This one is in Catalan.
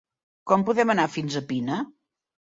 Com podem anar fins a Pina?